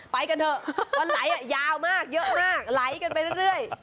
ไปกันเถอะวันไหลยาวมากเยอะมากไหลกันไปเรื่อย